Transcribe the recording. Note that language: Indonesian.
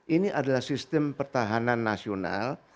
ini adalah sistem pertahanan nasional